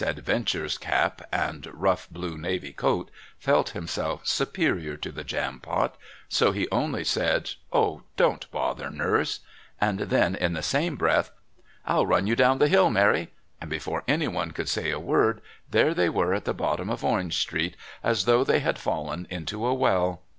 Adventure's cap and rough blue navy coat, felt himself superior to the Jampot, so he only said, "Oh, don't bother, Nurse," and then in the same breath, "I'll run you down the hill, Mary," and before anyone could say a word there they were at the bottom of Orange Street, as though they had fallen into a well.